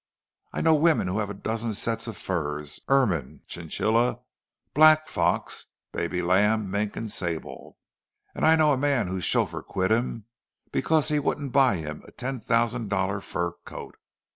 I know women who have a dozen sets of furs—ermine, chinchilla, black fox, baby lamb, and mink and sable; and I know a man whose chauffeur quit him because he wouldn't buy him a ten thousand dollar fur coat!